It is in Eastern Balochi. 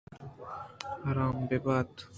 حرام بہ بات